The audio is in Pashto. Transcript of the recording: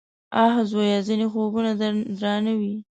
_اه ! زويه! ځينې خوبونه درانه وي.